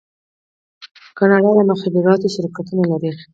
کاناډا د مخابراتو شرکتونه لري.